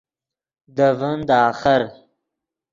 دے ڤین دے آخر